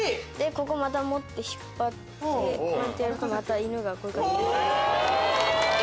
ここ持って引っ張ってやるとまた犬がこういう感じで。